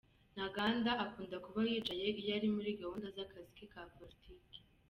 Ntaganda akunda kuba yicaye iyo ari muri gahunda z’akazi ke ka politiki .